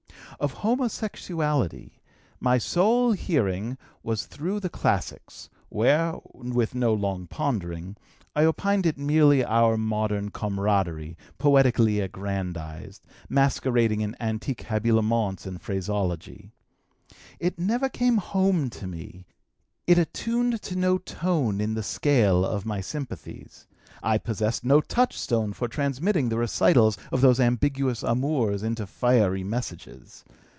"Of homosexuality my sole hearing was through the classics, where, with no long pondering, I opined it merely our modern comradery, poetically aggrandized, masquerading in antique habiliments and phraseology. It never came home to me; it attuned to no tone in the scale of my sympathies; I possessed no touchstone for transmitting the recitals of those ambiguous amours into fiery messages.